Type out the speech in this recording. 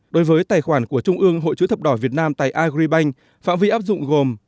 đối với tài khoản của trung ương hội chữ thập đỏ việt nam tại agribank phạm vi áp dụng gồm